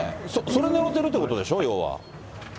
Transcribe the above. それねらってるってことでしょ、要は。